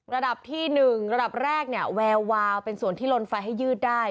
ระดับที่๑ระดับแรกเนี่ยแวววาวเป็นส่วนที่ลนไฟให้ยืดได้